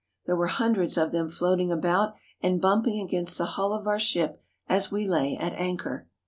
There were hundreds of them floating about and bumping against the hull of our ship as we lay at anchor.